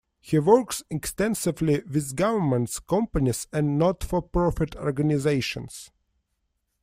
He works extensively with governments, companies and not for profit organizations.